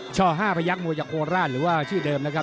ช่อ๕พยักษ์มวยจากโคราชหรือว่าชื่อเดิมนะครับ